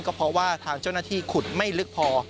ก็เพราะว่าทางเจ้าหน้าที่ขุดไม่ลึกพอ